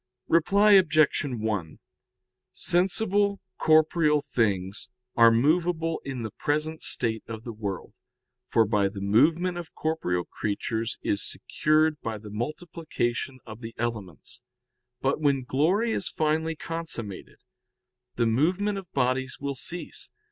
Reply Obj. 1: Sensible corporeal things are movable in the present state of the world, for by the movement of corporeal creatures is secured by the multiplication of the elements. But when glory is finally consummated, the movement of bodies will cease.